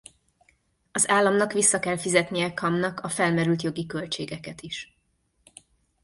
Az államnak vissza kell fizetnie Kamnak a felmerült jogi költségeket is.